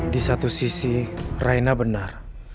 disatu sisi raina benar